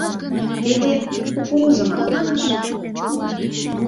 Теве кукурузымак налаш.